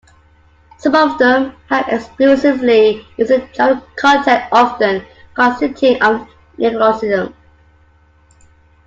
Some of them have exclusively user driven content, often consisting of neologisms.